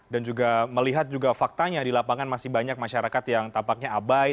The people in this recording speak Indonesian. dan juga melihat juga faktanya di lapangan masih banyak masyarakat yang tampaknya abai